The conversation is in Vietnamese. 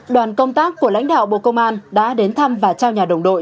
đoàn công tác của lãnh đạo bộ công an đã đến thăm và trao nhà đồng đội